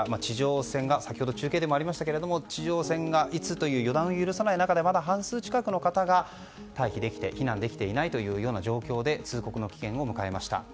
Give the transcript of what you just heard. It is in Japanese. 先ほど中継でもありましたが地上戦がいつかという予断を許さない中でまだ半数近くが避難できていないという状況で通告の期限を迎えました。